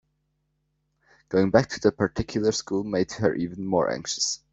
Going back to that particular school made her even more anxious.